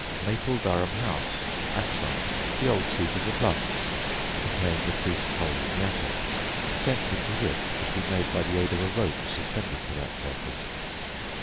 Mapledurham House, axon, the old seat of the Blounts, contains a "priest's hole" in the attics, descent into which could be made by the aid of a rope suspended for that purpose.